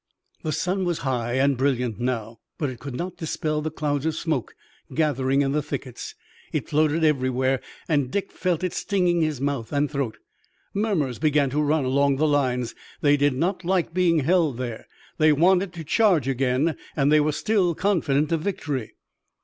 The sun was high and brilliant now, but it could not dispel the clouds of smoke gathering in the thickets. It floated everywhere, and Dick felt it stinging his mouth and throat. Murmurs began to run along the lines. They did not like being held there. They wanted to charge again. They were still confident of victory.